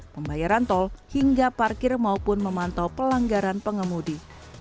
pembayaran tol hingga parkir maupun memantau pelanggaran pengemudi